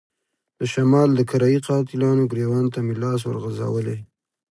د شمال د کرايه ای قاتلانو ګرېوان ته مې لاس ورغځولی.